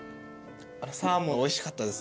サーモンおいしかったです。